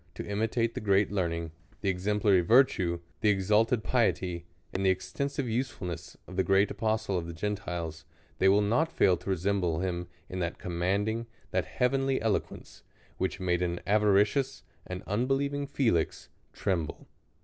to imitate the great learning, the exemplary virtue, the exalted piety, and the extensive usefulness of the great apostle of the Gentiles, they will not fail to re semble him in that commanding, that heavenly elo quence, which made aa avaricious, an unbelieving Fe lix, tremble.